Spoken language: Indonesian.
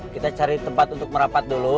kita cari tempat untuk merapat dulu